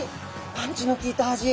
パンチの効いた味。